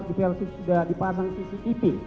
di versi sudah dipasang cctv